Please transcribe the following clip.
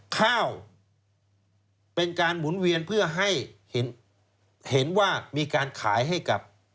ข้าวเป็นการหมุนเวียนเพื่อให้เห็นว่ามีการขายให้กับ